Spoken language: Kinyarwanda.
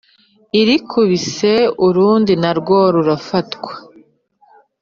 irikubise urundi na rwo rurafatwa.